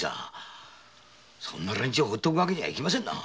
そんな連中をほっとくわけにはいきませんな。